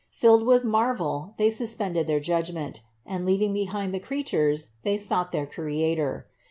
Filled with marvel they suspended their judg ment, and leaving behind the creatures, they sought their Creator.